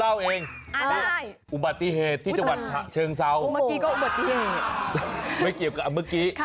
เดี๋ยวผมเล่าเองอุบัติเหตุที่จังหวัดเชิงเศร้าไม่เกี่ยวกับเมื่อกี้